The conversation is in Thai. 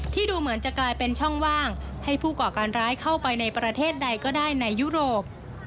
ดูเหมือนจะกลายเป็นช่องว่างให้ผู้ก่อการร้ายเข้าไปในประเทศใดก็ได้ในยุโรป